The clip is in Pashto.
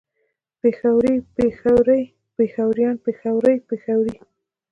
پېښوری پېښوري پېښوريان پېښورۍ پېښورې